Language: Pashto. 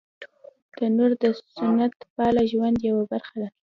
تنور د سنت پاله ژوند یوه برخه ده